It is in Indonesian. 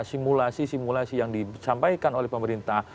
simulasi simulasi yang disampaikan oleh pemerintah